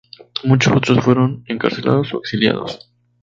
Muchos otros fueron encarcelados o exiliados.